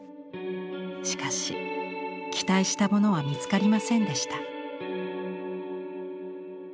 しかし期待したものは見つかりませんでした。